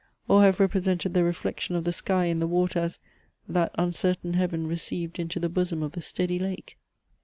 Or have represented the reflection of the sky in the water, as "That uncertain heaven received into the bosom of the steady lake?"